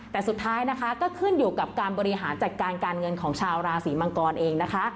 แต่สุดท้ายนะคะก็ขึ้นอยู่กับการบริหารจัดการการเงินของชาวราศีมังกรเองนะคะ